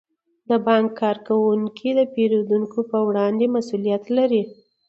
د بانک کارکوونکي د پیرودونکو په وړاندې مسئولیت لري.